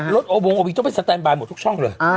รถโอบงออกไปสแตนบายหมดทุกช่องเลย